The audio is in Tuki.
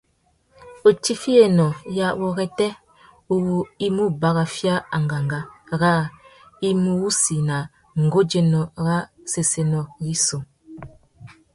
Itiffiyénô ya wôrêtê uwú i mú baraffia angangá râā i mú wussi nà kundzénô râ séssénô rissú.